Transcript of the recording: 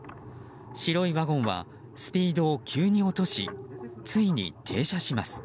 白いワゴンはスピードを急に落としついに停車します。